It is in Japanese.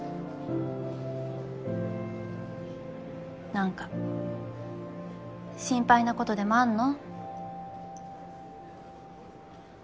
なんか心配なことでもあんの？